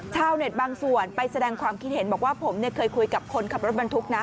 ชาวเน็ตบางส่วนไปแสดงความคิดเห็นบอกว่าผมเคยคุยกับคนขับรถบรรทุกนะ